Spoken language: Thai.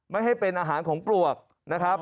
ไม่ให้เป็นอาหารของปลวกนะครับ